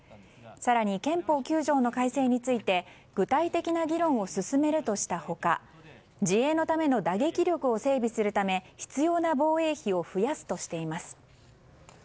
更に憲法９条の改正について具体的な議論を進めるとした他自衛のための打撃力を整備するため必要な防衛費を増やすとしています。